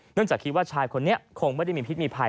จากคิดว่าชายคนนี้คงไม่ได้มีพิษมีภัย